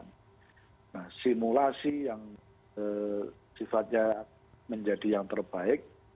nah simulasi yang sifatnya menjadi yang terbaik